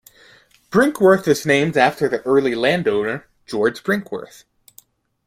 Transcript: Brinkworth is named after the early landowner, George Brinkworth.